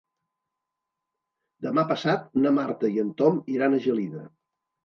Demà passat na Marta i en Tom iran a Gelida.